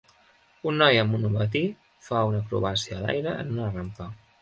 Un noi amb monopatí fa una acrobàcia a l'aire en una rampa.